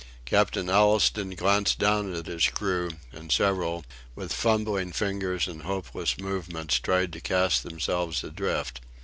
Captain Allistoun glanced down at his crew, and several, with fumbling fingers and hopeless movements, tried to cast themselves adrift.